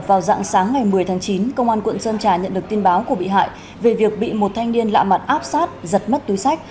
vào dạng sáng ngày một mươi tháng chín công an quận sơn trà nhận được tin báo của bị hại về việc bị một thanh niên lạ mặt áp sát giật mất túi sách